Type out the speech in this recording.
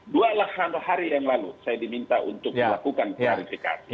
dua hari yang lalu saya diminta untuk melakukan klarifikasi